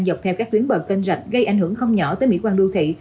dọc theo các tuyến bờ kênh rạch gây ảnh hưởng không nhỏ tới mỹ quan đô thị